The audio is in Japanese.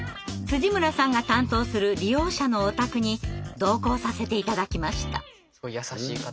村さんが担当する利用者のお宅に同行させて頂きました。